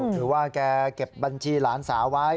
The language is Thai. ถือว่าแกเก็บบัญชีหลานสาวไว้